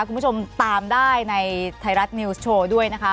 คุณผู้ชมตามได้ในไทยรัฐนิวส์โชว์ด้วยนะคะ